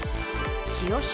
千代翔